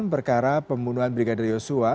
berkara pembunuhan brigadir yosua